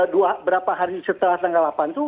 dua berapa hari setelah tanggal delapan itu